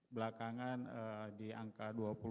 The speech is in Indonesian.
belakangan di angka dua puluh